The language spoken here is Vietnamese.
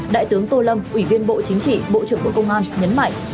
đại tướng tô lâm ủy viên bộ chính trị bộ trưởng bộ công an nhấn mạnh